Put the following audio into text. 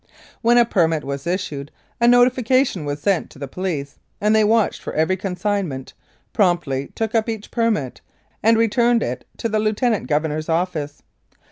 When a permit was issued a notifica tion was sent to the police, and they watched for every consignment, promptly took up each permit, and re turned it to the Lieutenant Governor's office.